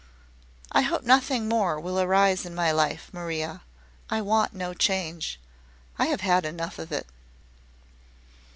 "I hope nothing more will arise in my life, Maria. I want no change. I have had enough of it."